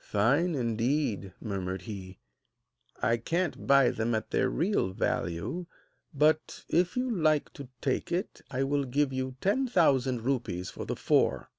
'Fine, indeed,' murmured he. 'I can't buy them at their real value; but, if you like to take it, I will give you ten thousand rupees for the four.'